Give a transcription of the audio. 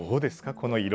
この色。